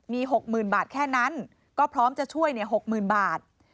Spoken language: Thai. มี๖๐๐๐บาทแค่นั้นก็พร้อมจะช่วย๖๐๐๐บาท